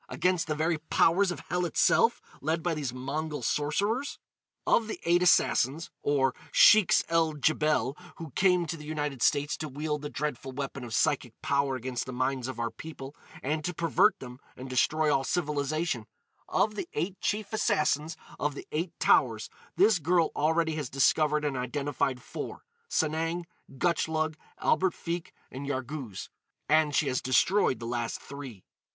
—against the very powers of hell itself, led by these Mongol sorcerers? "Of the Eight Assassins—or Sheiks el Djebel—who came to the United States to wield the dreadful weapon of psychic power against the minds of our people, and to pervert them and destroy all civilisation,—of the Eight Chief Assassins of the Eight Towers, this girl already has discovered and identified four,—Sanang, Gutchlug, Albert Feke, and Yarghouz; and she has destroyed the last three."